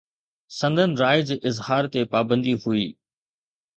سندن راءِ جي اظهار تي پابندي هئي